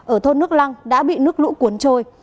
ở thôn nước lăng đã bị nước lũ cuốn trôi